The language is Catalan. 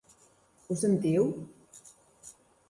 Ho sentiu?